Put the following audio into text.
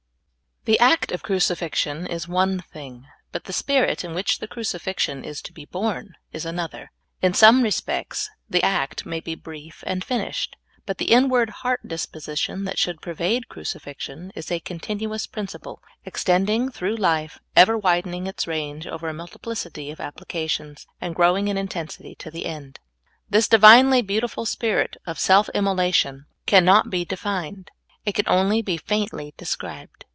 THE act of crucifixion is one thing, but the Spirit in which the crucifixion is to be borne is another. In some respects, the act may be brief and finished ; but the inward heart disposition that should per\'ade crucifixion is a continuous principle, extending through life, ever widening its range over a multiplicit}' of ap plications, and growing in intensity to the end. This divinely beautiful spirit of self immolation cannot be defined. It can only be faintly described.